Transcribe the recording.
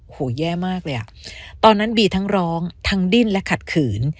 แย่มากเลยอ่ะตอนนั้นบีทั้งร้องทั้งดิ้นและขัดขืน